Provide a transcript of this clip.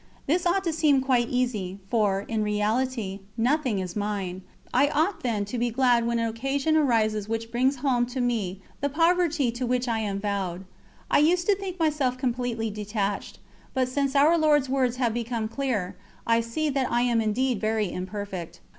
This ought to seem quite easy, for, in reality, nothing is mine. I ought, then, to be glad when an occasion arises which brings home to me the poverty to which I am vowed. I used to think myself completely detached, but since Our Lord's words have become clear, I see that I am indeed very imperfect.